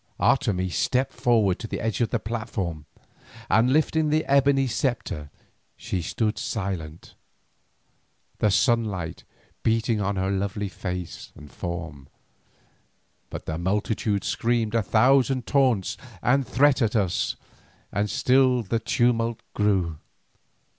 Otomie stepped forward to the edge of the platform, and lifting the ebony sceptre she stood silent, the sunlight beating on her lovely face and form. But the multitude screamed a thousand taunts and threats at us, and still the tumult grew.